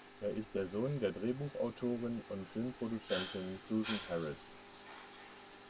Er ist der Sohn der Drehbuchautorin und Fernsehproduzentin Susan Harris.